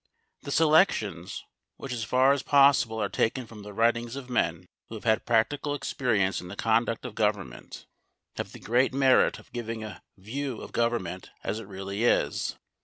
The selections, which as far as possible are taken from the writings of men who have had practical experience in the conduct of government, have the great merit of giving a view of government as it really is.